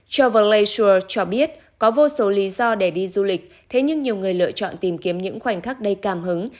travel lasual cho biết có vô số lý do để đi du lịch thế nhưng nhiều người lựa chọn tìm kiếm những khoảnh khắc đầy cảm hứng